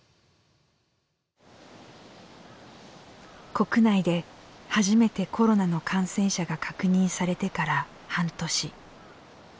国内で初めてコロナの感染者が確認されてから半年。